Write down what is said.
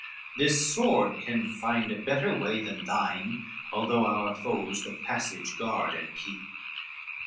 This sword can find a better way than thine, Although our foes the passage guard and keep."